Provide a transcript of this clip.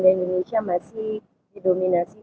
di indonesia masih didominasi